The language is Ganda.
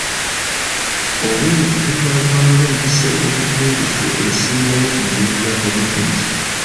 Obwerufu butwalibwa ng'empisa y'obugunjufu esingayo mu mirimu gya gavumenti.